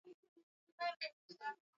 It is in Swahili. a waasi kutoka nchini uganda